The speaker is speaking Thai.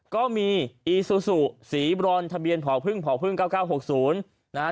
ก็มีอีซูซูสีบรอนทะเบียนผอบพึ่งผอบพึ่งเก้าเก้าหกศูนย์นะฮะ